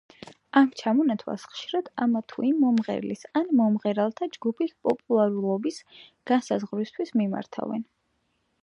ამ ჩამონათვალს ხშირად ამა თუ იმ მომღერლის ან მომღერალთა ჯგუფის პოპულარობის განსაზღვრისთვის მიმართავენ.